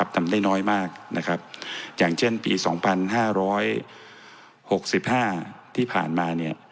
ทำได้น้อยมากอย่างเช่นปี๒๕๖๕ที่ผ่านมา